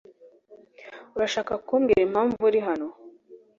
Urashaka kumbwira impamvu uri hano?